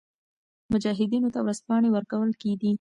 مجاهدینو ته ورځپاڼې ورکول کېدې.